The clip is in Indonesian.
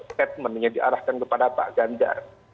statement yang diarahkan kepada pak ganjar